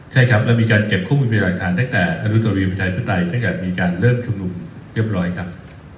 ใช่ครับแล้วมีการเก็บควบคุมรวมหลักฐานตั้งแต่ธรรมดุลวิทยาลัยพฤตัยตั้งแต่มีการเริ่มชุมหนุ่มเรียบร้อยครับ